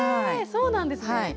そうなんですね。